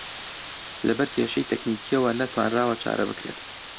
لەبەر کێشەی تەکنیکییەوە نەتوانراوە چارە بکرێت